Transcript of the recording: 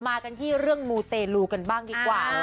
มากันที่เรื่องมูเตลูกันบ้างดีกว่า